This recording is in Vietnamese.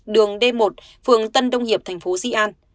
đường d một phường tân đông hiệp thành phố di an